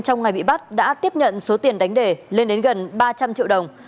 trong ngày bị bắt đã tiếp nhận số tiền đánh đề lên đến gần ba trăm linh triệu đồng